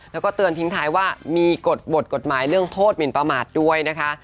แล้วก็เตือนทิ้งท้ายว่ามีกฎบทกฎหมายเรื่องโทษหมินประมาทด้วยนะคะ